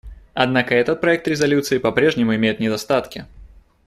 Однако этот проект резолюции по-прежнему имеет недостатки.